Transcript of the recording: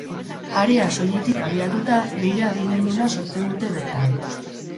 Harea soiletik abiatuta, beira adimenduna sortzen dute bertan.